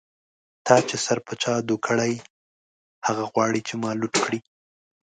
تا چی سر په چا دو کړۍ، هغه غواړی چی ما لوټ کړی